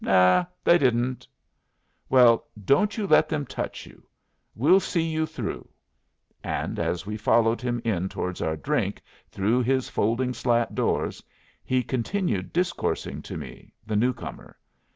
"Naw, they didn't." "Well, don't you let them touch you. We'll see you through." And as we followed him in towards our drink through his folding slat doors he continued discoursing to me, the newcomer.